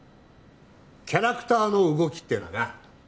キャラクターの動きっていうのはな